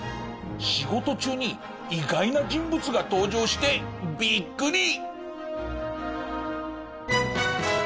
仕事中に意外な人物が登場してビックリ！